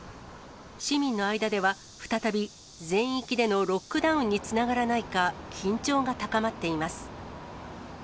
市民の間では、再び全域でのロックダウンにつながらないか、緊張が高まっています。